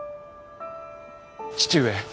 父上。